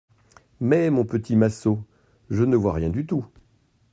Mais, mon petit Massot, je ne vois rien du tout.